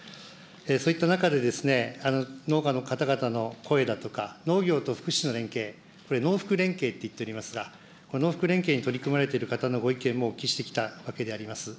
そういった中でですね、農家の方々の声だとか、農業と福祉の連携、これ、農福連携といっておりますが、農福連携に取り組まれている方のご意見もお聞きしてきたわけであります。